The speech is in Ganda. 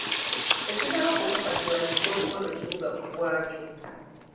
Tekinnaba ku kakasibwa nti fort portal kibuga ku bwaakyo .